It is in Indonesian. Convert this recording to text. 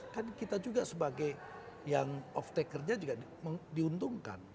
kan kita juga sebagai yang off takernya juga diuntungkan